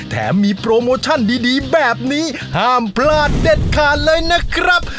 แถมมีโปรโมชั่นดีแบบนี้ห้ามพลาดเด็ดขาดเลยนะครับ